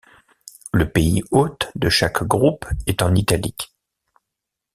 Le pays hôte de chaque groupe est en italique.